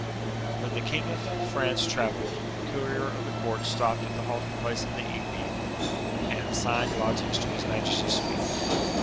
When the King of France travelled, the courier of the court stopped at the halting place in the evening, and assigned lodgings to his Majesty's suite.